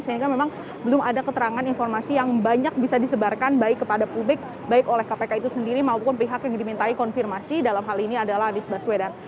sehingga memang belum ada keterangan informasi yang banyak bisa disebarkan baik kepada publik baik oleh kpk itu sendiri maupun pihak yang dimintai konfirmasi dalam hal ini adalah anies baswedan